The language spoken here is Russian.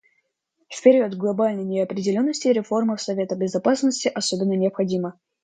В период глобальной неопределенности реформа Совета Безопасности особенно необходима.